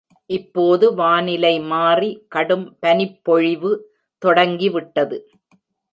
இப்போது வானிலை மாறி, கடும் பனிப்பொழிவு தொடங்கிவிட்டது.